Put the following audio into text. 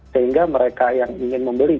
sehingga mereka yang ingin membeli